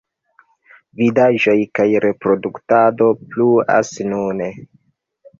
Vidaĵoj kaj reproduktado pluas nune.